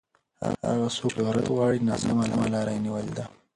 هغه څوک چې شهرت غواړي ناسمه لار یې نیولې ده.